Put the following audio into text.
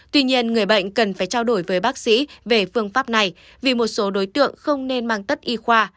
tuy nhiên người bệnh cần phải trao đổi với bác sĩ về phương pháp này vì một số đối tượng không nên mang tất y khoa